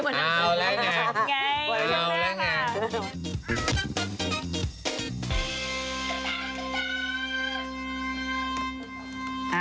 เอาแล้วไงเอาแล้วไง